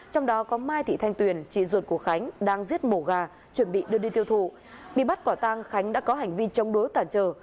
trong đó có mai thị thanh tuyền chị ruột của khánh đang giết mổ gà chuẩn bị đưa đi tiêu thụ bị bắt quả tang khánh đã có hành vi chống đối cản trở